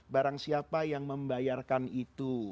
barang siapa yang membayarkan itu